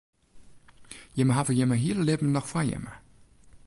Jimme hawwe jimme hiele libben noch foar jimme.